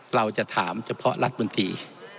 เราจะถามเฉพาะรัฐมนตรี